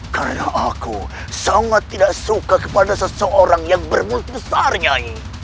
karena aku sangat tidak suka kepada seseorang yang bermusik besar ya ii